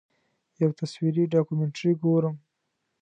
یو تصویري ډاکومنټري ګورم.